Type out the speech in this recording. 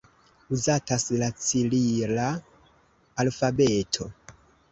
Uzatas la cirila alfabeto.